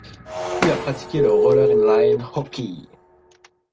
Il a pratiqué le Roller in line hockey.